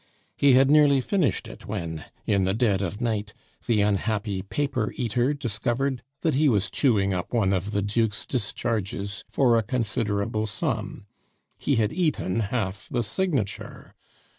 He had nearly finished it when, in the dead of night, the unhappy paper eater discovered that he was chewing up one of the Duke's discharges for a considerable sum. He had eaten half the signature!